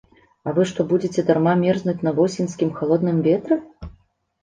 А вы што будзеце дарма мерзнуць на восеньскім халодным ветры?!